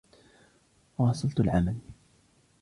واصلت العمل